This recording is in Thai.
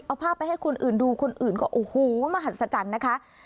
เอาภาพไปให้คนอื่นดูคนอื่นก็โอ้โหมหัศจรรย์นะคะ